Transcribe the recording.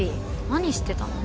何してたの？